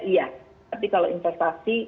iya tapi kalau investasi